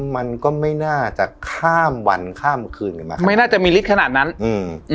มันก็ไม่น่าจะข้ามวันข้ามคืนกันมาไม่น่าจะมีฤทธิขนาดนั้นอืม